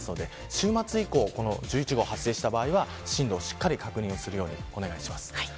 週末以降１１号が発生した場合は進路をしっかり確認するようにしてください。